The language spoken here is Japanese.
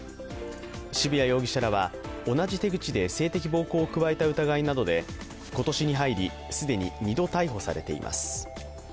渋谷容疑者らは同じ手口で性的暴行を加えた疑いなどで今年に入り、既に２度逮捕されています。